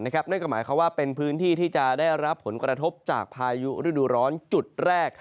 นั่นก็หมายความว่าเป็นพื้นที่ที่จะได้รับผลกระทบจากพายุฤดูร้อนจุดแรก